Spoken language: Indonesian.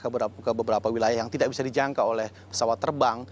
ke beberapa wilayah yang tidak bisa dijangkau oleh pesawat terbang